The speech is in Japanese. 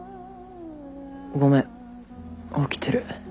ごめん起きてる。